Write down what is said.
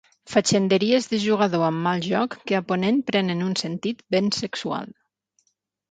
Fatxenderies de jugador amb mal joc que a Ponent prenen un sentit ben sexual.